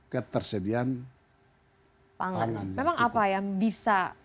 ketersediaan pangan memang apa yang bisa